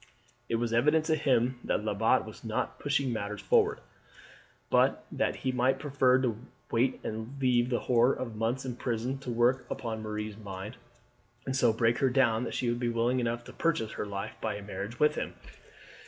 It was evident to him that Lebat was not pushing matters forward, but that he preferred to wait and leave the horror of months in prison to work upon Marie's mind, and so break her down that she would be willing enough to purchase her life by a marriage with him.